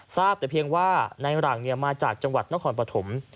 ทราบแต่เพียงว่าในหลังมาจากจังหวัดนครปฐม